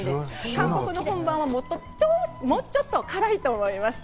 韓国の本場はもうちょっと辛いと思います。